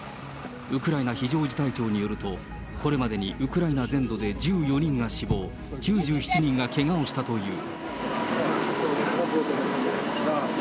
ウクライナ非常事態庁によると、これまでにウクライナ全土で１４人が死亡、９７人がけがをしたという。